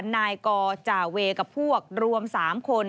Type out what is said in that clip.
นายกอจาเวกับพวกรวม๓คน